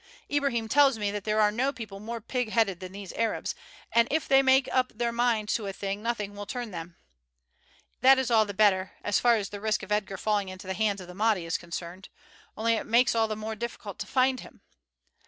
"Ibrahim tells me that there are no people more pig headed than these Arabs, and if they once make up their mind to a thing nothing will turn them. That is all the better, as far as the risk of Edgar falling into the hands of the Mahdi is concerned, only it makes it all the more difficult to find him.